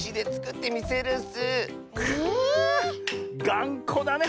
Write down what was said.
⁉がんこだね